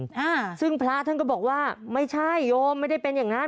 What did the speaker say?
อ่าซึ่งพระท่านก็บอกว่าไม่ใช่โยมไม่ได้เป็นอย่างนั้น